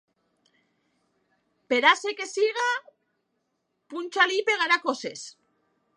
Per ase que sia, punxa'l i pegarà coces.